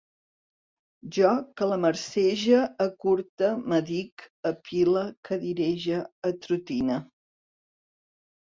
Jo calamarsege, acurte, m'adic, apile, cadirege, atrotine